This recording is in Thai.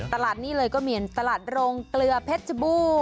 ตลาดนี้เลยก็มีตลาดโรงเกลือเพชรบู